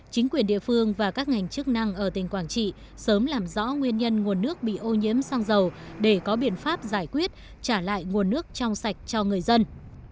chính quyền địa phương và các ngành chức năng ở tỉnh quảng trị sớm làm rõ nguyên nhân nguồn nước bị ô nhiễm xăng dầu để có biện pháp giải quyết trả lại nguồn nước trong sạch cho người dân